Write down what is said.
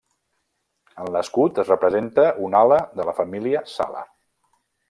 En l'escut es representa una ala de la família Sala.